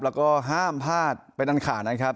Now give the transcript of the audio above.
แล้วก็ห้ามพลาดเป็นอันขาดนะครับ